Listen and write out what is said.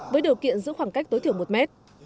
với điều kiện giữ khoảng cách tối thiểu một mét